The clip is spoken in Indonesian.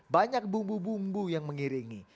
banyak bumbu bumbu yang mengiringi